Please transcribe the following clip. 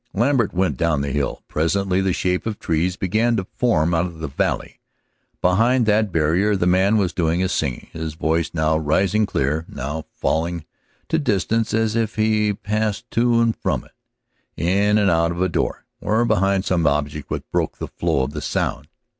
Lambert went down the hill. Presently the shape of trees began to form out of the valley. Behind that barrier the man was doing his singing, his voice now rising clear, now falling to distance as if he passed to and from, in and out of a door, or behind some object which broke the flow of sound.